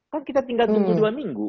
kan kita tinggal tunggu dua minggu